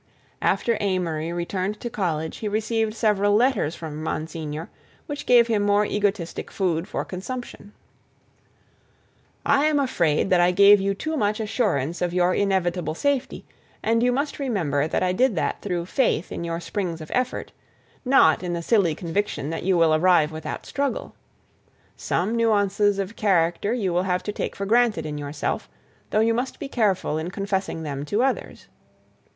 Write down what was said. After Amory returned to college he received several letters from Monsignor which gave him more egotistic food for consumption. I am afraid that I gave you too much assurance of your inevitable safety, and you must remember that I did that through faith in your springs of effort; not in the silly conviction that you will arrive without struggle. Some nuances of character you will have to take for granted in yourself, though you must be careful in confessing them to others.